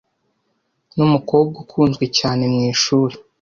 Numukobwa ukunzwe cyane mwishuri.